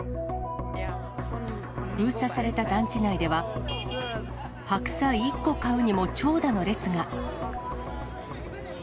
封鎖された団地内では、白菜１個買うにも長蛇の列が。